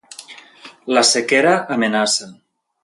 La sequera amenaça.